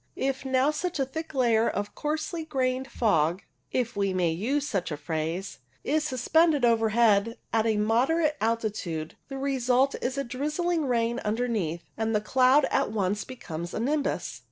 If now such a thick layer of coarse grained fog — if we may use such a phrase — is sus pended overhead at a moderate altitude, the result is a drizzling rain underneath, and the cloud at once becomes a nimbus.